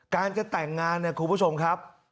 การจะแต่งงานเนี่ยคุณผู้ชมครับ